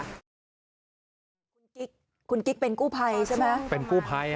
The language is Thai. คุณกิ๊กคุณกิ๊กเป็นกู้ภัยใช่ไหมเป็นกู้ภัย